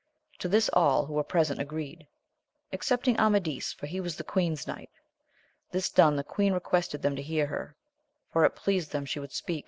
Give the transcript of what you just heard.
To this all who were present agreed, excepting Amadis, for he was the queen's knight. This done, the queen requested them to hear her, for if it pleased them she would speak.